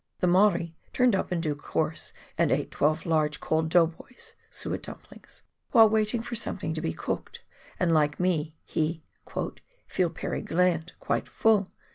The Maori turned up in due course, and ate twelve large cold dough boys (suet dumplings) while waiting for something to be cooked, and like me he " feel pery gland, quite full."